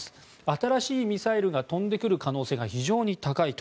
新しいミサイルが飛んでくる可能性が非常に高い。